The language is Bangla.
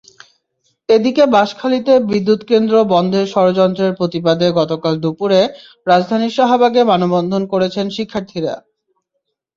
এদিকে বাঁশখালীতে বিদ্যুৎকেন্দ্র বন্ধের ষড়যন্ত্রের প্রতিবাদে গতকাল দুপুরে রাজধানীর শাহবাগে মানববন্ধন করেছেন শিক্ষার্থীরা।